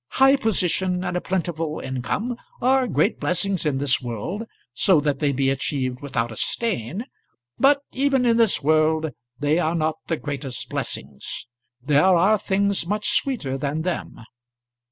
High position and a plentiful income are great blessings in this world, so that they be achieved without a stain. But even in this world they are not the greatest blessings. There are things much sweeter than them."